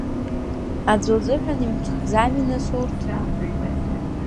Аӡәы лзыҳәан имцхәӡами, нас, урҭ?